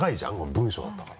文章だったから。